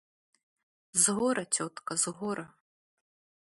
З гора, цётка, з гора.